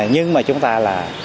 nhưng mà chúng ta là